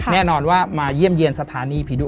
แน่นอนว่ามาเยี่ยมเยี่ยมสถานีผีดุ